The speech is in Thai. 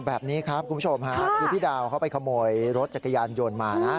แบบนี้ครับคุณผู้ชมฮะคือพี่ดาวเขาไปขโมยรถจักรยานยนต์มานะ